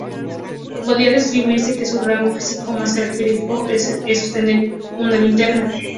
Podría decirse que su rasgo físico más característico es sostener una linterna.